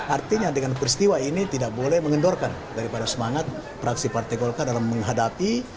artinya dengan peristiwa ini tidak boleh mengendorkan daripada semangat praksi partai golkar dalam menghadapi